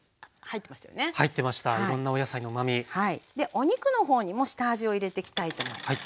お肉のほうにも下味を入れていきたいと思います。